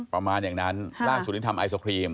ประมาณอย่างนั้นล่าสุดที่ทำไอศครีม